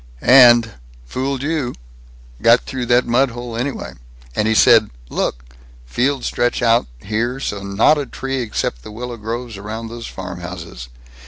"And Fooled you! Got through that mudhole, anyway! And he said Look! Fields stretch out so here, and not a tree except the willow groves round those farmhouses.